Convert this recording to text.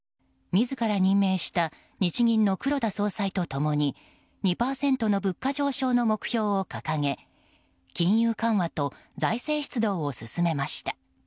自ら任命した日銀の黒田総裁とともに２％の物価上昇の目標を掲げ金融緩和と財政出動を進めました。